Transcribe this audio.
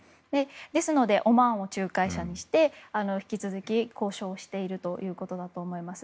ですのでオマーンを仲介者にして引き続き交渉しているということだと思います。